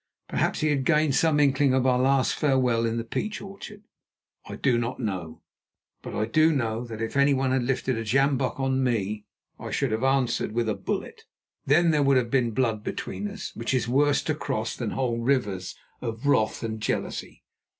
Perhaps he had gained some inkling of our last farewell in the peach orchard. I do not know. But I do know that if anyone had lifted a sjambock on me I should have answered with a bullet. Then there would have been blood between us, which is worse to cross than whole rivers of wrath and jealousy.